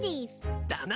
だな。